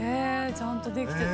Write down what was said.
ちゃんとできてた。